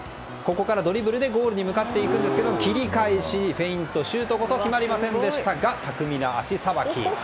ドリブルでゴールに向かっていきますが切り替えしてフェイント、シュートこそ決まりませんでしたが巧みな足さばき。